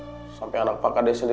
udah berantem sama anak pak hades sampai